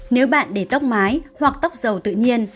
nếu bạn để tóc mái hoặc tóc dầu tự nhiên